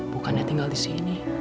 bukannya tinggal disini